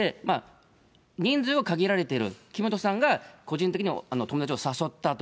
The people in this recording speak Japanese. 人数は限られている、木本さんが個人的に友だちを誘ったと。